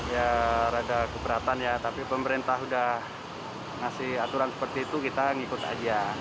ya rada keberatan ya tapi pemerintah udah ngasih aturan seperti itu kita ngikut aja